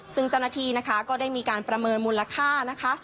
ซึ่งเจ้าหน้าที่นะคะก็ได้มีการประเมินมูลค่านะคะ